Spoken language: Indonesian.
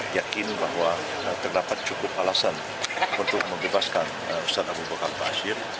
yakin bahwa terdapat cukup alasan untuk membebaskan ustadz abu bakar ba'asyir